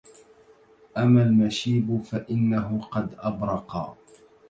أما المشيب فإنه قد أبرقا